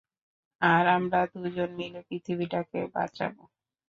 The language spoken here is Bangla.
আর আমরা দুজন মিলে পৃথিবীটাকে বাঁচাবো।